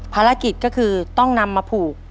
ภารกิจก็คือต้องนำมาผูก